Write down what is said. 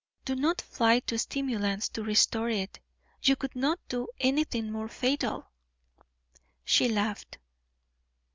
Do not fly to stimulants to restore it; you could not do anything more fatal." She laughed.